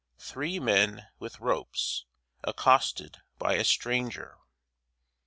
Three men with ropes, accosted by a stranger.